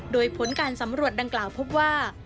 โดยผลการสำรวจดังกล่าวพบว่า